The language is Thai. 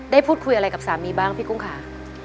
ได้พูดคุยอะไรกับสามีบ้างพี่กุ้งค่ะ